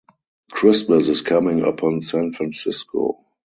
Christmas is coming upon San Francisco.